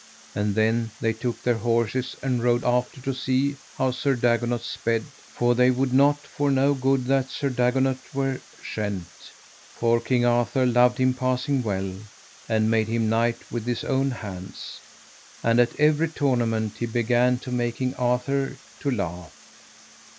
And then they took their horses, and rode after to see how Sir Dagonet sped, for they would not for no good that Sir Dagonet were shent, for King Arthur loved him passing well, and made him knight with his own hands. And at every tournament he began to make King Arthur to laugh.